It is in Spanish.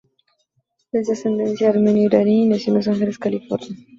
Es de ascendencia armenio-iraní y nació en Los Ángeles, California.